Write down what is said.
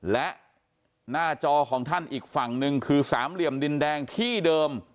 และหน้าจอของท่านอีกฝั่งหนึ่งคือสามเหลี่ยมดินแดงที่เดิม